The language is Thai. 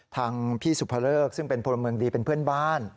ทางพี่สุภเริกซึ่งเป็นพลเมืองดีเป็นเพื่อนบ้าน